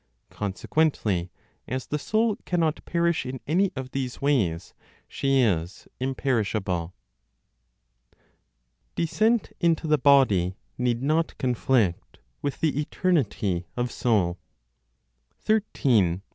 Consequently as the soul cannot perish in any of these ways, she is imperishable. DESCENT INTO THE BODY NEED NOT CONFLICT WITH THE ETERNITY OF SOUL. 13. (18).